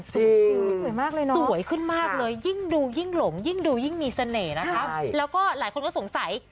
สวยมากเลยนะสวยขึ้นมากเลยยิ่งดูยิ่งหลงยิ่งดูยิ่งมีเสน่ห์นะคะแล้วก็หลายคนก็สงสัย